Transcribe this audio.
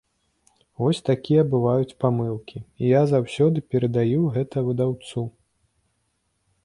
Вось такія бываюць памылкі, і я заўсёды перадаю гэта выдаўцу.